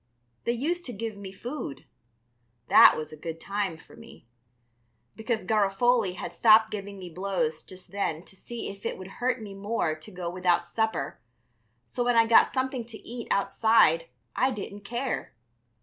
They used to give me food. That was a good time for me, because Garofoli had stopped giving me blows just then to see if it would hurt me more to go without supper, so when I got something to eat outside I didn't care.